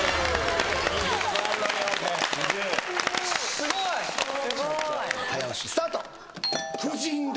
すごい早押しスタート夫人だ！